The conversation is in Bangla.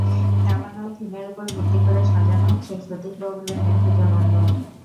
দাবানল থিমের ওপর ভিত্তি করে সাজানো হচ্ছে সতীশ বাবু লেনের পূজামণ্ডপ।